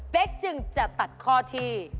เป๊กจึงจะตัดข้อที่